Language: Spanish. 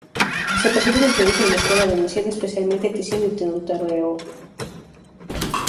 Se percibe la influencia de la escuela veneciana, especialmente Tiziano y Tintoretto.